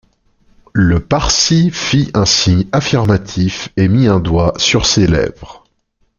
Le Parsi fit un signe affirmatif et mit un doigt sur ses lèvres.